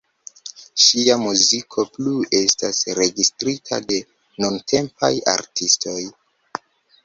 Ŝia muziko plu estas registrita de nuntempaj artistoj.